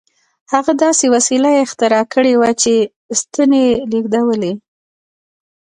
هغه داسې وسیله اختراع کړې وه چې ستنې لېږدولې